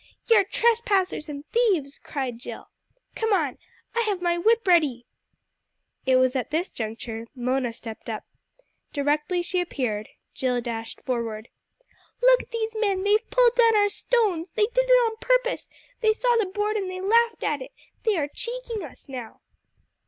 "You're trespassers and thieves!" cried Jill. "Come on! I have my whip ready!" [Illustration: "YOU'RE TRESPASSERS AND THIEVES."] It was at this juncture Mona stepped up. Directly she appeared, Jill dashed forward. "Look at these men, they've pulled down our stones! They did it on purpose! They saw the board and they laughed at it. They are cheeking us now."